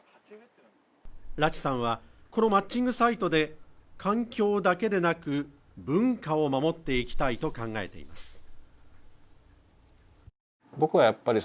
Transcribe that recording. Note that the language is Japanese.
良知さんはこのマッチングサイトで環境だけでなく文化を守っていきたいと考えています。